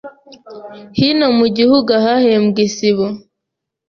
hino mu gihugu ahahembwe Isibo